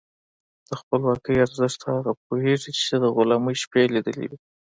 د خپلواکۍ ارزښت هغه پوهېږي چې د غلامۍ شپې یې لیدلي وي.